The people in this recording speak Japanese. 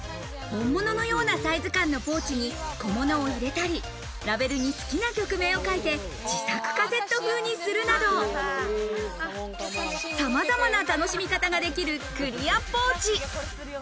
本物のようなサイズ感のポーチに小物を入れたり、ラベルに好きな曲名を書いて、自作カセット風にするなど、さまざまな楽しみ方ができるクリアポーチ。